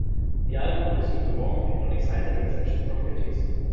The album received a warm, if not excited, reception from critics.